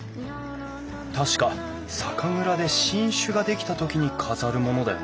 確か酒蔵で新酒ができたときに飾るものだよな。